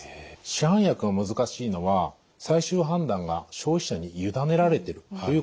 市販薬が難しいのは最終判断が消費者に委ねられてるということです。